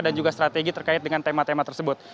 dan juga strategi terkait dengan tema tema tersebut